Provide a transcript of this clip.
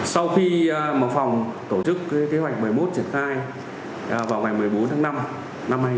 sau khi một phòng tổ chức kế hoạch một mươi một triển khai vào ngày một mươi bốn tháng năm năm hai nghìn hai mươi bốn